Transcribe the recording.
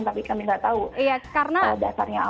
tapi kami tidak tahu dasarnya apa